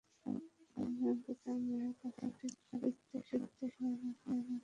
রমজানকে তার মায়ের কাছে ফিরতে সাহায্য করার ব্যাপারে মনস্থির করেন হামজা।